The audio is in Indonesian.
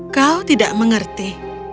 kau tidak mengerti